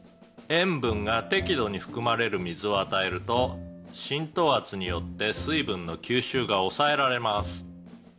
塩分が適度に含まれる水を与えると浸透圧によって水分の吸収が抑えられます」